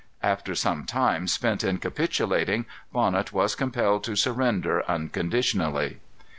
After some time spent in capitulating, Bonnet was compelled to surrender unconditionally.